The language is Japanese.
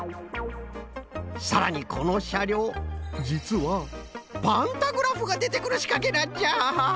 さらにこのしゃりょうじつはパンタグラフがでてくるしかけなんじゃ！